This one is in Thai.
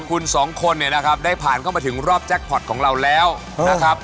คุณสองคนเนี่ยนะครับได้ผ่านเข้ามาถึงรอบแจ็คพอร์ตของเราแล้วนะครับ